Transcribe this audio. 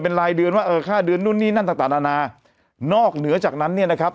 เป็นรายเดือนว่าเออค่าเดือนนู่นนี่นั่นต่างต่างนานานอกเหนือจากนั้นเนี่ยนะครับ